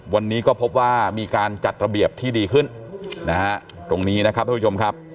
วันนี้ก็พบว่ามีการจัดระเบียบที่ดีขึ้นนะฮะตรงนี้นะครับท่านผู้ชมครับ